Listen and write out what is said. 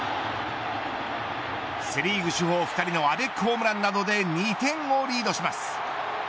セ・リーグ主砲２人のアベックホームランなどで２点をリードします。